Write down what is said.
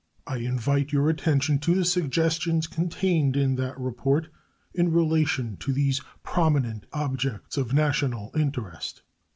I invite your attention to the suggestions contained in that report in relation to these prominent objects of national interest.